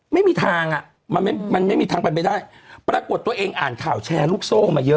ไม่มีทางอ่ะมันไม่มันไม่มีทางเป็นไปได้ปรากฏตัวเองอ่านข่าวแชร์ลูกโซ่มาเยอะ